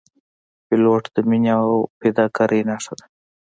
پیلوټ د مینې او فداکارۍ نښه ده.